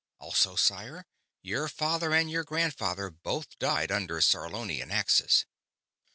Also, sire, your father and your grandfather both died under Sarlonian axes."